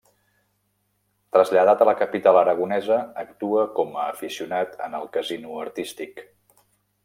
Traslladat a la capital aragonesa, actua, com aficionat, en el Casino Artístic.